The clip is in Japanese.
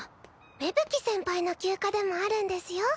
芽吹先輩の休暇でもあるんですよ。